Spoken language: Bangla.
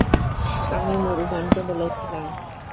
আমি মুরুগানকে বলেছিলাম।